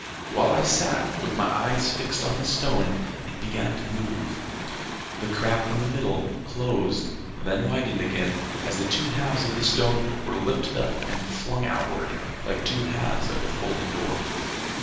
While I sat with my eyes fixed on this stone, it began to move; the crack in the middle closed, then widened again as the two halves of the stone were lifted up, and flung outward, like the two halves of a folding door.